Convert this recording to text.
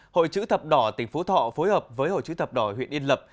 hội chữ thập đỏ tỉnh phú thọ phối hợp với hội chữ thập đỏ huyện yên lập